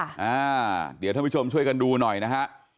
อ่าเดี๋ยวท่านผู้ชมช่วยกันดูหน่อยนะฮะ